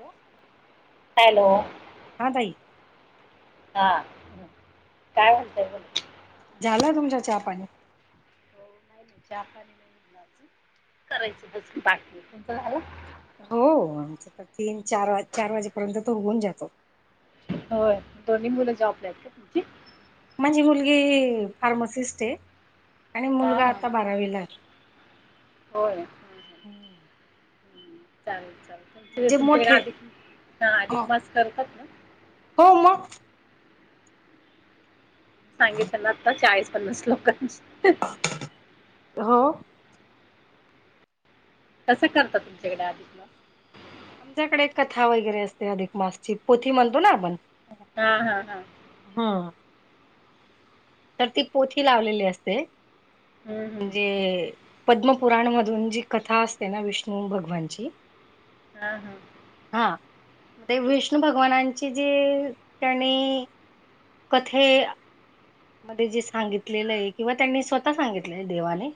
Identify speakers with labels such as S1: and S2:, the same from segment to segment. S1: Hello.
S2: Hello.
S1: हा ताई
S2: हा काय म्हणताय मग.
S1: झालं तुमच्या चहापाणी.
S2: हो नाही नाही पा आणि नाहीच करायचं तस बाकीमचं झालं [unintelligible]
S1: हो आमच्या तीन चार चार वाजेपर्यंत तो होऊन जातो.
S2: होय दोन्ही मुलं जॉबला आहेत का तुमची.
S1: म्हणजी मुलगी फार्मासिस्ट आहे आणि
S2: हा
S1: मुलगा
S2: हा
S1: आता बारावीला आहे. हम्म.
S2: चालेल चालेल तुम तुमच्याकडे
S1: मोठे
S2: अधिक ह अधिक
S1: हो
S2: मास करतात ना.
S1: हो मग.
S2: सांगितलं ना आता चाळीस पन्नास लोकांची.
S1: हो.
S2: कसं करता तुमच्याकडे अधिक मास.
S1: आमच्याकडे कथा वगैरे असते अधिक मासची पोथी म्हणतो ना आपण.
S2: हा, हा, हा,
S1: ह तर ती पोथी लावलेली असते
S2: हम्म हम्म
S1: म्हणजे. पद्मपुराण मधून जी कथा असते ना विष्णू भगवानची.
S2: हा हा.
S1: हा ते विष्णू भगवानांची जी त्यांनी कथे मध्ये जे सांगितलेलं आहे किंवा त्यांनी स्वतः सांगितलंय देवाने.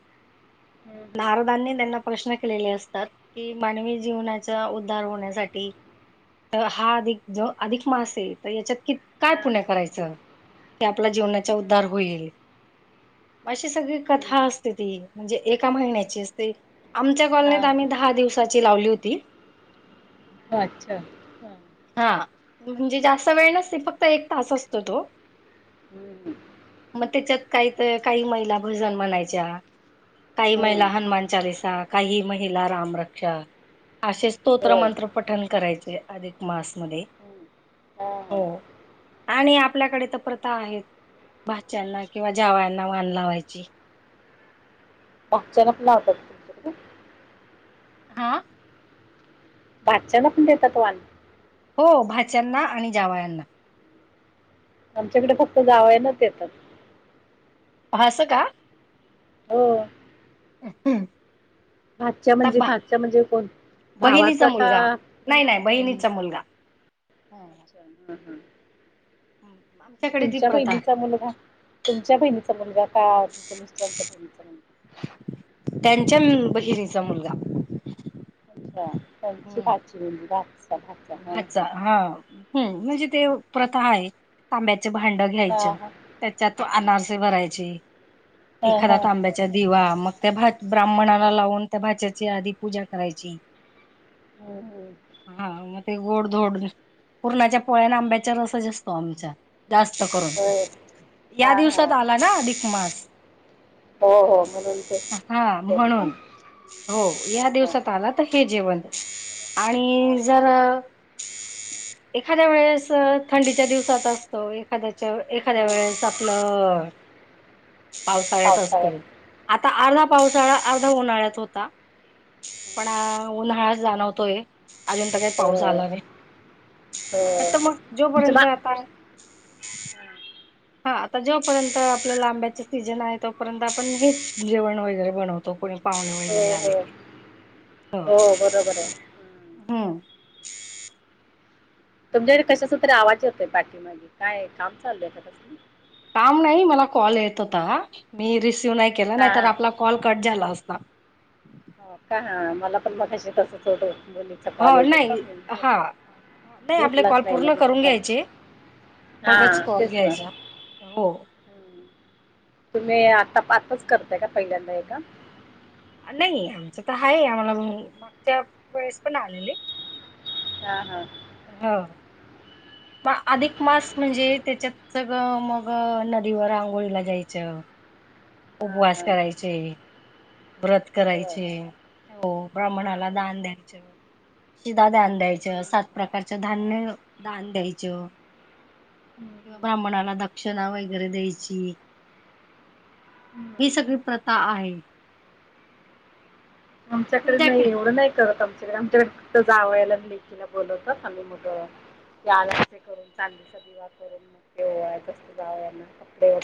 S2: हम्म हम्म
S1: नारदांनी त्यांना प्रश्न के केलेले असतात की मानवी जीवनाच्या उद्धार होण्यासाठी तर हा अधिक ज अधिक मास आहे तर याच्यात कि काय
S2: हा
S1: पुण्य करायचं की आपल्या जीवनाचा
S2: हम्म
S1: उद्धार होईल. अशी सगळी कथा
S2: हम्म
S1: असते ती म्हणजे एका महिन्याची असते. आमच्या
S2: हा
S1: कॉलनीत आम्ही दहा दिवसाची लावली होती.
S2: अच्छा ह.
S1: हा म्हणजे जास्त वेळ नसते फक्त एक तास असतो तो.
S2: हम्म हम्.
S1: मग त्याच्यात काही काही महिला भजन म्हणायच्या. काही महिला
S2: हम्म
S1: हनुमान चालीसा काही महिला राम रक्ष असेच स्तोत्र
S2: होय
S1: मंत्र पठण करायचे अधिक मासमध्ये.
S2: हा ह
S1: आणि आपल्याकडे तर प्रथा आहेत. भाच्यांना किंवा जावयांना वान लावायची.
S2: भाच्यांनाच पण लावतात ना [unintelligible]
S1: हा?
S2: भाच्यांना पण देतात वाण?
S1: हो भाच्यांना आणि जावयांना.
S2: आमच्याकडे फक्त जावयांनाच देतात.
S1: असं का?
S2: हो भाच्या म्हणजे
S1: बा
S2: भाच्या म्हणजे कोण?
S1: बहिणीचा
S2: भावाचा
S1: मुलगा
S2: का
S1: नाही नाही बहिणीचा
S2: बहीणीचा?
S1: मुलगा
S2: अच्छा हं हं
S1: आमच्याकडे ती
S2: तुमच्या
S1: प्रथा
S2: बहिणीचा मुलगा, तुमच्या बहिणीचा मुलगा का, तुमच्या मिस्टरांच्या बहिणीचा? मुलगा
S1: त्यांच्या म बहिणीचा मुलगा.
S2: अच्छा त्यांची भाची का?
S1: अच्छा हां हं म्हणजे ते प्रथा आहे तांब्यात ते भांड
S2: हा
S1: घ्यायचं,
S2: हा हा
S1: त्याच्यात त अनारसे भरायचे.
S2: हा
S1: एखादा
S2: हा
S1: तांब्याचा दिवा मग त्या भात ब्राह्मणाला लावून त्या भाच्याची आधी पूजा करायची.
S2: हम हम
S1: हा मग ते गोडधोड, पूरणाच्या पोळ्या आणि आंब्याचा रसच असतो आमचा. जास्त करून,
S2: होय हा
S1: या
S2: हा
S1: दिवसात आला ना अधिक मास?
S2: हो हो म्हणून तेच,
S1: हा
S2: केलं का?
S1: म्हणून हो, या
S2: हा हा
S1: दिवसात आला तर हे जेवण.
S2: हा
S1: आणि जर एखाद्या वेळेस अ थंडीच्या दिवसात असतो एखाद्या च्या एखाद्या
S2: हम्म
S1: वेळेस आपलं पावसाळ्यात असतोय. आता अर्धा पावसाळा, अर्धा उन्हाळ्यात होता. पण अं उन्हाळा जाणवतोय. अजून तरी काय
S2: हो
S1: पाऊस आला नाही.
S2: हो
S1: आता मग
S2: तुमचं
S1: जोपर्यंत
S2: बा
S1: आता [unintelligible] हां आता जोपर्यंत आपल्याला आंब्याचा सीझन आहे, तोपर्यंत आपण हेच जेवण वगैरे बनवतो कोणी पाहुणे
S2: हो
S1: वगैरे आले
S2: हो
S1: की, हो
S2: बरोबर आहे
S1: हम्म
S2: तुमच्याकडे कशाचा तरी आवाज येतोय पाठीमागे, काय काम चालू आहे का कसलं?
S1: काम नाही मला कॉल येत होता, मी रिसी तु नाही केला,
S2: हा
S1: नाही तर आपला कॉल कट झाला असता.
S2: हो का? मला पण मगाशी तसंच होत होत मुलीचा कॉल
S1: हो
S2: येत होता,
S1: नाही
S2: मी
S1: हा
S2: घेतल
S1: नाही आपले कॉल
S2: घेतलाच नाही
S1: पूर्ण
S2: मध्येच
S1: करून
S2: असं
S1: घ्यायचे मगच कॉल घ्यायचा. हो,
S2: हम्म. तुम्ही आता पातच करताय का पहिल्यांदा हे काम?
S1: नाही आमचं तर हाये आम्हाला अं मागच्या वेळेस पण आलेले
S2: हा, हा
S1: हं पा अधिक मास म्हणजे? त्याच्यात सगळं मग नदीवर आंघोळीला जायचं
S2: हा
S1: उपवास
S2: हा
S1: करायचे व्रत
S2: हो हा
S1: करायचे, हो
S2: हा
S1: ब्राह्मणाला दान द्यायचं. शिधा दान द्यायचं,
S2: हम्म.
S1: सात प्रकारच धान्य दान द्यायचं.
S2: हम्म,
S1: किंवा
S2: हम्म.
S1: ब्राह्मणाला दक्षिणा वगैरे द्यायची. ही
S2: हम्म.
S1: सगळी प्रथा आहे.
S2: आमच्याकडे नाही,
S1: तुमच्याकडे
S2: एवढं नाही करत आमचं तर आमच्याकडे फक्त जावयाला आणि लेकीला बोलवतात, आणि मग अ [unintelligible] चांदीचा दिवा करून ओवाळायचं असतं जावयांना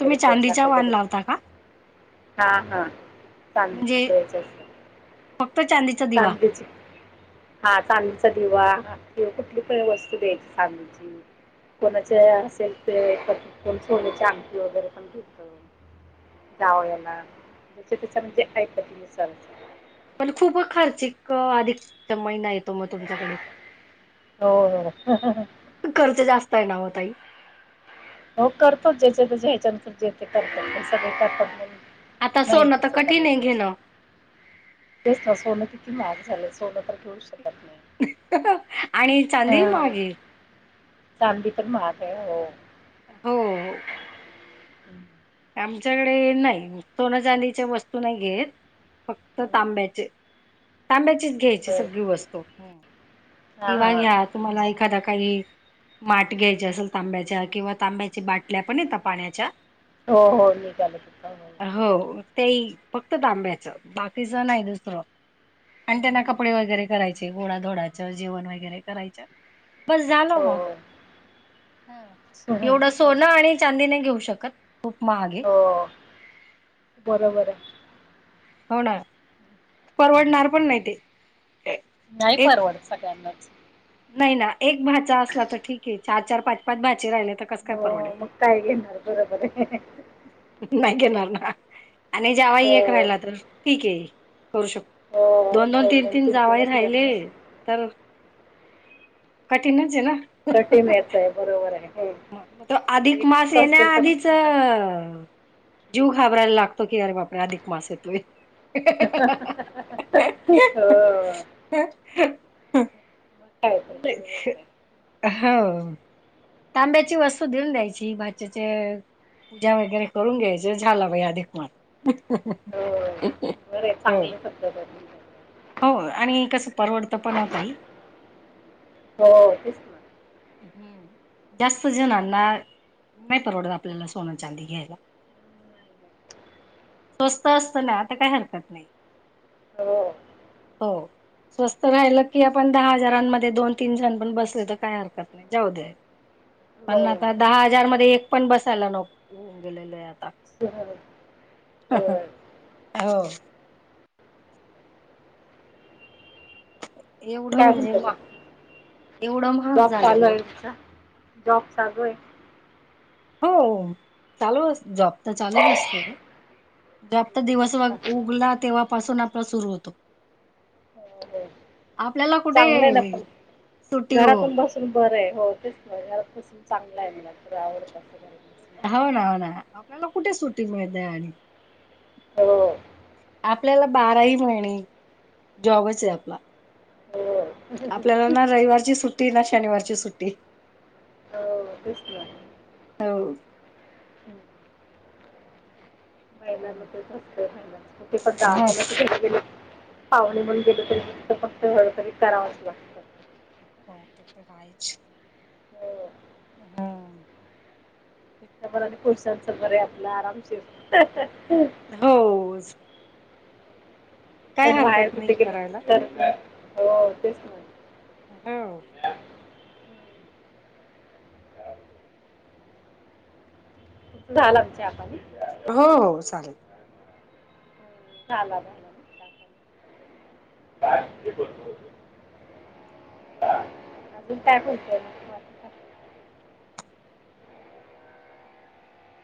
S1: तुम्ही चांदीचा वाण लावता का?
S2: [unintelligible] हां हां, चांदीचं
S1: म्हणजे
S2: द्यायचं असतं.
S1: फक्त चांदीचा दिवा.
S2: चांदीचं, हां चांदी चांदीचा दिवा किंवा कुठली पण वस्तू द्यायची चांदीची. कोणाचे असेल ते पद्धत, कोण सोन्याची अंगठी वगैरे पण देत. जावयाना, जेच्या ‌ त्याच्या म्हणजे आइपती नुसार
S1: पण खूप खर्चिक अधिक महिना येतो मग तुमच्याकडे.
S2: हो [unintelligible]
S1: खर्च जास्त आहे ना ओ ताई.
S2: हो करतो ज्या त्याच्यात [unintelligible] सगळे करतात
S1: आता
S2: नाही
S1: सोनं तर
S2: तसं
S1: कठीण आहे
S2: करायचं,
S1: घेणं.
S2: तेच ना सोन महाग झालं सोन तरी घेऊ शक
S1: आणि चांदी ही
S2: हा
S1: महाग ये.
S2: चांदी तर महागये होय.
S1: हो.
S2: [inaudible]
S1: आमच्याकडे नाही सोनं चांदीच्या वस्तू नाही घेत. फक्त
S2: हो
S1: तांब्याचे, तांब्या चीच घ्यायची सगळी वस्तू,
S2: हा हा
S1: दिवाळीहा तुम्हाला एखादा काही माठ घ्यायचे असेल तांब्याच्या किंवा तांब्याच्या बाटल्या पण येत पाण्याच्या.
S2: हो- हो निघाले.
S1: हो ते फक्त तांब्याचं बाकीचं नाही दुसरं आणि त्यांना कपडे वगैरे करायचे. गोडाधोडाच जेवण वगैरे करायच. बस झाल मग,
S2: हो हम्म.
S1: एवढ सोन आणि चांदी नाही घेऊ शकत, खूप महागे
S2: हो, बरोबर आहे.
S1: हो ना, परवडणार पण नाही ते.
S2: नाही
S1: एक
S2: परवडत सगळ्यांनाच.
S1: नाही ना एक भाचा असला तर ठीक आहे चार- चार, पाच- पाच भाचे राहिले तर कस काय
S2: हो
S1: परवडेल.
S2: मग काय घेणार बरोबर आहे.
S1: नाही घेणार ना आणि जावई
S2: हो
S1: एक राहिला तर ठीक आहे. करू
S2: हो
S1: शकतोय दोन -दोन, तीन -तीन जावही राहिले तर कठीणच आहे ना.
S2: थर्टी मिनिट्स आहे बरोबर आहे
S1: म मग तो अधिक
S2: एक
S1: मास
S2: तास
S1: येण्या
S2: असेल तर
S1: आधीच
S2: खूप
S1: जीव घाबरायला लागतो की अरे बापर अधिक मास येतोय.
S2: हो.
S1: हम,
S2: बरोबरच आहे
S1: हो. तांब्याची वस्तू घेऊन द्यायची भाच्याचे. पूजा वगैरे करून घ्यायचं झाला बाई अधिकमास.
S2: हो, बर हाय
S1: हो
S2: चांगली पद्धत हाय.
S1: हो आणि कसं परवडतं पण हो ताई.
S2: हो.
S1: हम्म जास्त जणांना नाही परवडत आपल्याला सोन चांदी घ्यायला.
S2: [unintelligible]
S1: स्वस्थ असत ना तर काही हरकत नाही.
S2: हो.
S1: हो स्वस्त राहिलं की आपण दहा हजारांमध्ये दोन तीन जण पण बसले तर काय हरकत नाही. जाउद्या,
S2: हो
S1: पण आता दहा हजार मध्ये एक पण बसायला नको, गेलेलय आता.
S2: [unintelligible]
S1: हो.
S2: आता
S1: एवढं
S2: काय
S1: म्हणजे
S2: म्हणते
S1: महा
S2: मग जॉब [inaudible] चालू आहे जॉब चालू आहे
S1: हो [inaudible] चालू जॉब तर चालूच असतो जास्त दिवस [inaudible]
S2: हम्म.
S1: उगला तेव्हापासून आपला सुरू होतो
S2: होा हो
S1: आपल्याला कुठे
S2: चांगलं आहे ना पण
S1: सुट्टी हो
S2: घरातून बसून बरं आहे हो तेच नाही कसून चांगला आहे मला आवडतं
S1: हो ना हो ना आपल्याला कुठे सुटी मिळते आणि
S2: हो
S1: आपल्याला बाराही महिने जॉबच आहे आपला
S2: हो, हो,
S1: आपल्याला ना रविवारची सुट्टी ना शनिवारची सुट्टी
S2: दिस हम्
S1: हो काय म्हणता?
S2: रस् जाा
S1: हो
S2: होण्या कले पाहुणे म्हण गेलं तरी फत फक्त हळहरी करावंचं लागतं
S1: क तर हयच
S2: हो.
S1: हम्म ते-
S2: समर
S1: ते-
S2: खुश झालचं बरे आपलं आरामशी
S1: हो
S2: त्या
S1: काय
S2: बाहेर
S1: हरकत
S2: कुठे
S1: नाही
S2: गेलं
S1: करायला
S2: तर हो तेच
S1: होो
S2: झालं आमच्या आपण
S1: हो हो चालेल
S2: ् ला झा काय ते बत अजून कायत